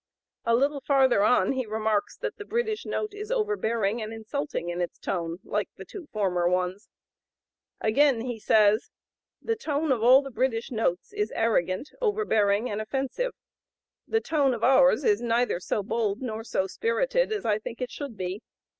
A little farther on he remarks that "the British note is overbearing and insulting in its tone, like the two former ones." Again he says: "The tone of all the British notes is arrogant, overbearing, and offensive. The tone of ours is neither so bold nor so spirited as I think it should be.